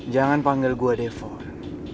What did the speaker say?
jangan panggil gue deh fon